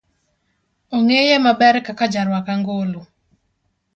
Ong'eye maber kaka jaruak angolo.